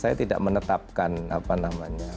saya tidak menetapkan apa namanya